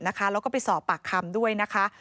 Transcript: แล้วก็ไปสอบปากคำด้วยนะคะ